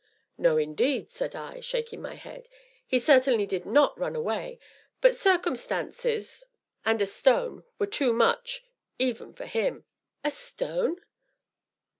"No, indeed!" said I, shaking my head, "he certainly did not run away, but circumstances and a stone, were too much even for him." "A stone?"